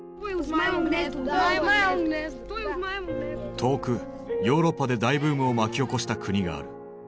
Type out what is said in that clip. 遠くヨーロッパで大ブームを巻き起こした国がある。